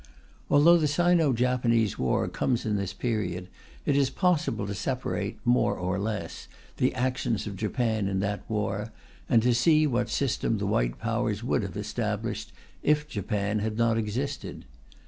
Although the Sino Japanese war comes in this period, it is possible to separate, more or less, the actions of Japan in that war, and to see what system the White Powers would have established if Japan had not existed.